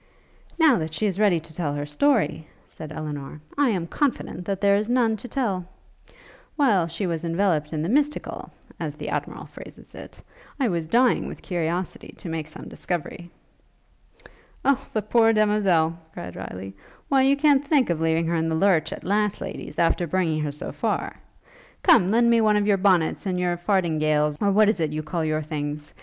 'Now that she is so ready to tell her story,' said Elinor, 'I am confident that there is none to tell. While she was enveloped in the mystical, as the Admiral phrases it, I was dying with curiosity to make some discovery.' 'O the poor demoiselle!' cried Riley, 'why you can't think of leaving her in the lurch, at last, ladies, after bringing her so far? Come, lend me one of your bonnets and your fardingales, or what is it you call your things?